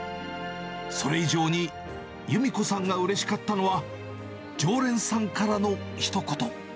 それ以上に、ゆみ子さんがうれしかったのは、常連さんからのひと言。